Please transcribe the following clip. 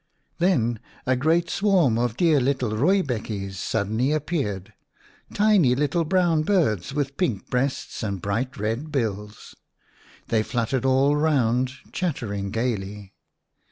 Then a great swarm of dear little rooibekkies 1 suddenly appeared, tiny little brown birds with pink breasts and bright red bills. They fluttered all round, chattering gaily.